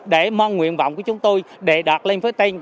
để mong nguyện vọng của chúng tôi để đạt lên phía tây